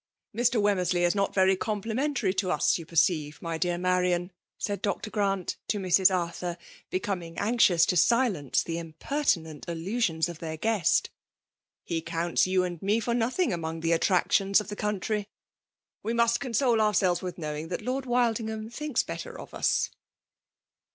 " Mr. Wemmersley is not very comidmen* tary to ns, you perceive^^ niy dear Madam, said Dr. Grant to Mrs. Arthur, becoming anxious to silence the impertinent allnttons ef their g^uest :^' He counts you and me far nothing; among the attractions of the comi< try ! We must console ourselves with know* iDg that Lord Wildingham thinlD better of us."